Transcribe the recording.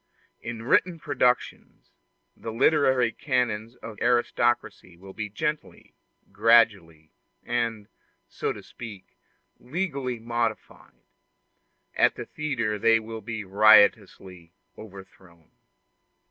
In written productions, the literary canons of aristocracy will be gently, gradually, and, so to speak, legally modified; at the theatre they will be riotously overthrown.